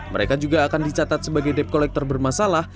mereka juga akan dicatat sebagai dep kolektor bermasalah